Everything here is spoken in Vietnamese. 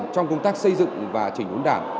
trong công tác xây dựng và chỉnh vốn đảng